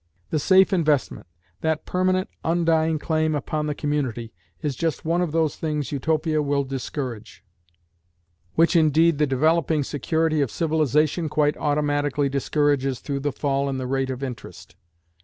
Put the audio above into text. The "safe investment," that permanent, undying claim upon the community, is just one of those things Utopia will discourage; which indeed the developing security of civilisation quite automatically discourages through the fall in the rate of interest.